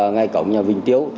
ngay cổng nhà vinh tiếu